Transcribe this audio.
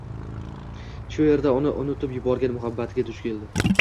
Shu erda uni unutib yuborgan muhabbatiga duch keldi